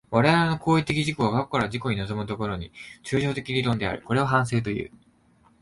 我々の行為的自己が過去から自己に臨む所に、抽象論理的である。これを反省という。